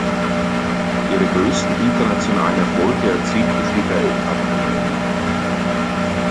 Ihre größten internationalen Erfolge erzielte sie bei Etappenrennen.